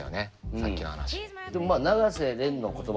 さっきの話。